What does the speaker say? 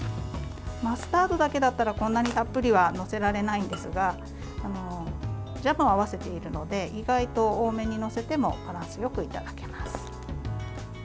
マスタードだけだったらこんなにたっぷりは載せられないんですがジャムを合わせているので意外と多めに載せてもバランスよくいただけます。